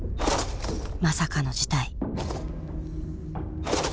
まさかの事態。